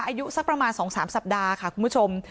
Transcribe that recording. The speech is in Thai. อายุสักประมาณ๒๓สัปดาห์ค่ะคุณผู้ชม